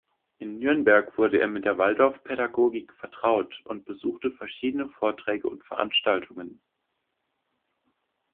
In Nürnberg wurde er mit der Waldorfpädagogik vertraut und besuchte verschiedene Vorträge und Veranstaltungen.